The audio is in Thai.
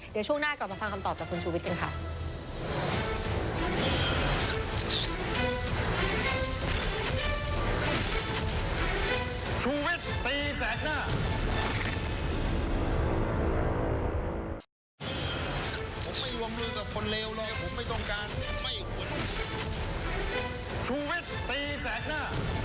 เดี๋ยวช่วงหน้ากลับมาฟังคำตอบจากคุณชูวิทย์กันค่ะ